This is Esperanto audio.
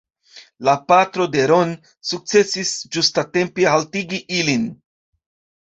La patro de Ron sukcesis ĝustatempe haltigi ilin.